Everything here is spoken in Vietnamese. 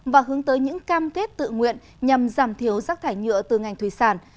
và hướng tới những cam kết tự nguyện nhằm giảm thiếu rác thải nhựa từ ngành thủy sản